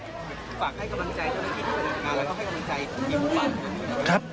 ฝากให้กำลังใจแล้วก็ให้กำลังใจครับ